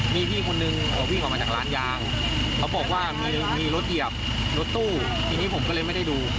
มีพี่คนนึงวิ่งออกมาจากร้านยางเขาบอกว่ามีรถเหยียบรถตู้ทีนี้ผมก็เลยไม่ได้ดู